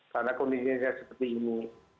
karena kondisinya seperti ini